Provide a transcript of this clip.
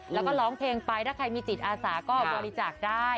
แล้วก็ร้องเพลงไปถ้าใครมีจิตอาสาก็บริจาคได้